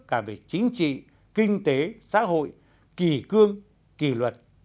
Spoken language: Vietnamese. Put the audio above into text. cả về chính trị kinh tế xã hội kỳ cương kỳ luật